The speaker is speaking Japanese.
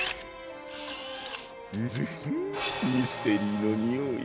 ンヅフッミステリーのにおい。